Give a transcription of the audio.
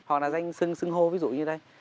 hoặc là danh sưng sưng hô ví dụ như đây